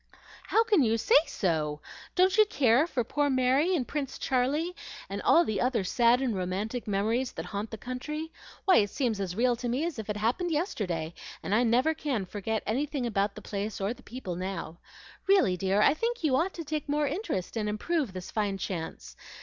"How can you say so? Don't you care for poor Mary, and Prince Charlie, and all the other sad and romantic memories that haunt the country? Why, it seems as real to me as if it happened yesterday, and I never can forget anything about the place or the people now. Really, dear, I think you ought to take more interest and improve this fine chance.